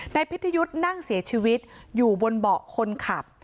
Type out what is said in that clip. พิทยุทธ์นั่งเสียชีวิตอยู่บนเบาะคนขับ